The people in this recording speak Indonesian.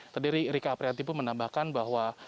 tadi rika aprianti pun menambahkan bahwa